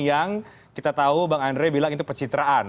yang kita tahu bang andre bilang itu pecitraan